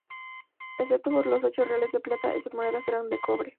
Excepto por los ocho reales de plata, estas monedas eran de cobre.